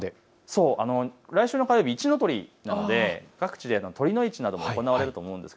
来週の火曜日、一の酉なので各地で酉の市なども行われると思います。